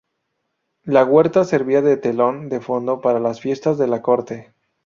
La huerta servía de telón de fondo para las fiestas de la corte.